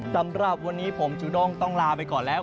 สำหรับวันนี้ผมจูด้งต้องลาไปก่อนแล้ว